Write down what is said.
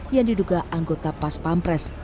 yang diduga anggota pas pampres